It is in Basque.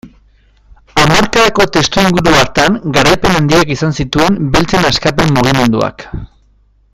Hamarkadako testuinguru hartan garaipen handiak izan zituen beltzen askapen mugimenduak.